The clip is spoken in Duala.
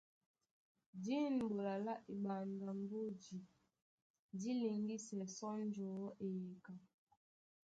Dîn ɓola lá eɓanda mbódi dí liŋgísɛ sɔ́ njɔ̌ eyeka.